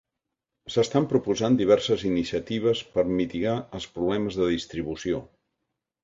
S'estan proposant diverses iniciatives per mitigar els problemes de distribució.